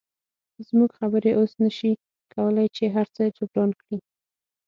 زموږ خبرې اوس نشي کولی چې هرڅه جبران کړي